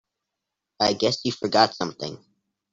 I guess you forgot something.